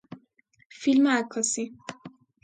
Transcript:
فیلم عکاسی